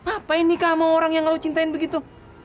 apa ini ke sama orang yang lo cintain begitu